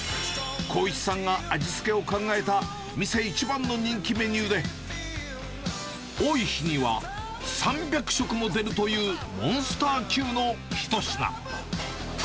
光一さんが味付けを考えた、店一番の人気メニューで、多い日には３００食も出るという、モンスター級の一品。